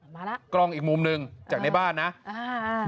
มาแล้วกล้องอีกมุมหนึ่งจากในบ้านนะอ่า